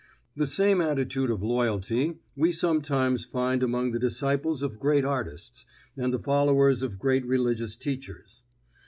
The same attitude of loyalty we sometimes find among the disciples of great artists, and the followers of great religious teachers.